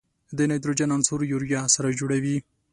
د نایتروجن عنصر یوریا سره جوړوي.